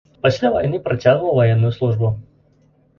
Пасля вайны працягваў ваенную службу.